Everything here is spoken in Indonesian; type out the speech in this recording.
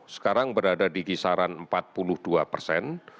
sekarang berada di kisaran empat puluh dua persen